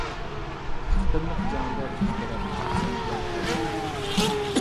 ئىككى قېتىملىق جەڭدە ئىككى تەرەپ تارتىشما جەڭ قىلدى.